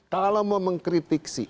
kalau mau mengkritiksi